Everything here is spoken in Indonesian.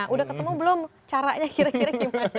udah ketemu belum caranya kira kira gimana